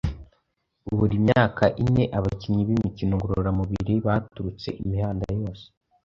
Buri myaka ine, abakinnyi b’imikino ngororamubiri baturutse imihanda yose